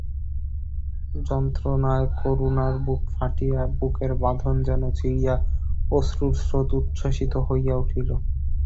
যন্ত্রণায় করুণার বুক ফাটিয়া, বুকের বাঁধন যেন ছিড়িয়া অশ্রুর স্রোত উচ্ছ্বসিত হইয়া উঠিল।